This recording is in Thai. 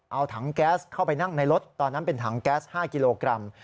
เอาถังแก๊สเข้าไปนั่งในรถตอนนั้นเป็นถังแก๊ส๕กิโลกรัม